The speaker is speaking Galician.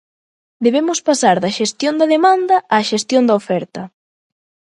Debemos pasar da xestión da demanda á xestión da oferta.